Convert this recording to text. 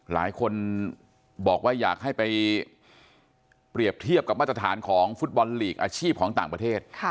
หลายคนบอกว่าอยากให้ไปเปรียบเทียบกับมาตรฐานของฟุตบอลลีกอาชีพของต่างประเทศ